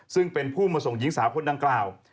ซึ่งเป็นผู้มาส่งหญิงสาวคนดังกล่าว